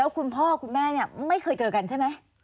คุณพ่อคุณแม่ไม่เคยเจอกันใช่มั้ย